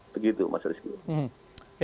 begitu mas rizky